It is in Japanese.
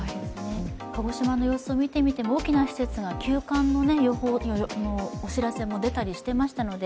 鹿児島の様子を見てみても多くの施設が休館のお知らせも出ていました。